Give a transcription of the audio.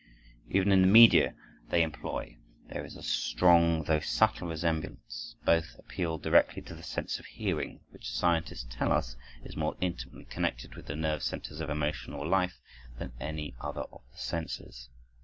Even in the media they employ, there is a strong though subtle resemblance; both appeal directly to the sense of hearing, which scientists tell us is more intimately connected with the nerve centers of emotional life than any other of the senses.